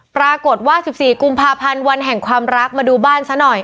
ปรากฏว่า๑๔กุมภาพันธ์วันแห่งความรักมาดูบ้านซะหน่อย